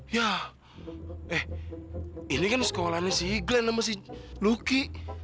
ya eh ini kan sekolahnya si glenn sama si luki